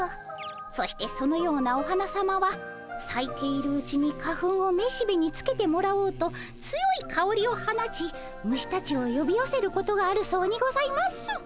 そしてそのようなお花さまはさいているうちに花粉をめしべにつけてもらおうと強いかおりを放ち虫たちをよびよせることがあるそうにございます。